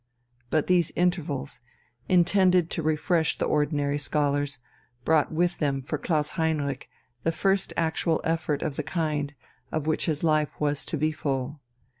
But these intervals, intended to refresh the ordinary scholars, brought with them for Klaus Heinrich the first actual effort of the kind of which his life was to be full.